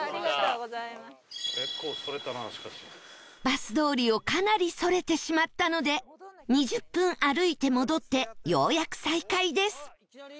バス通りをかなりそれてしまったので２０分歩いて戻ってようやく再開です